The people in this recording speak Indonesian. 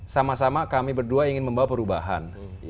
sama sama kami berdua ingin membawa perubahan